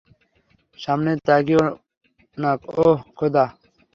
সামনে তাকিওনা ওহ, খোদা।